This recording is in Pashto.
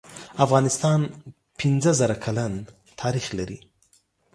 افغانستان پنځه زره کلن تاریخ لری